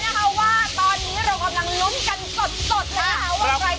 กระบาดใหญ่มากมาจากทั่วประเทศ